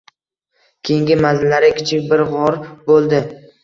Keyingi manzillari kichik bir g`or bo`ldi